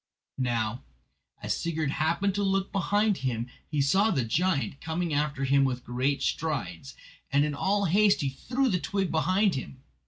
Now, as Sigurd happened to look behind him he saw the giant coming after him with great strides, and in all haste he threw the twig behind him.